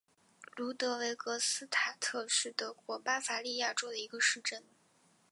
卢德维格斯塔特是德国巴伐利亚州的一个市镇。